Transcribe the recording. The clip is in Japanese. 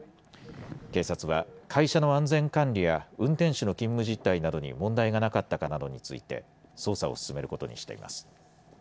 警察は、会社の安全管理や運転手の勤務実態などに問題がなかったかなどについて、捜査を進めることにしています。